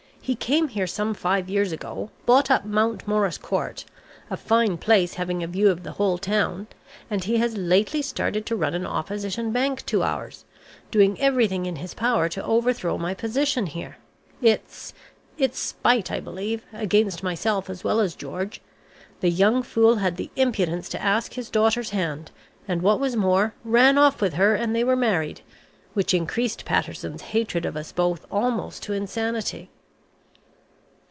"He came here some five years ago, bought up Mount Morris Court a fine place having a view of the whole town and he has lately started to run an opposition bank to ours, doing everything in his power to overthrow my position here. It's it's spite I believe, against myself as well as George. The young fool had the impudence to ask his daughter's hand, and what was more, ran off with her and they were married, which increased Patterson's hatred of us both almost to insanity."